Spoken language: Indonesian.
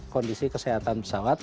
kondisi kesehatan pesawat